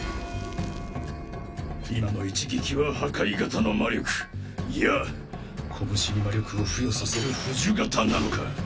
今の一撃は破壊型の魔力いや拳に魔力を付与させる付呪型なのか？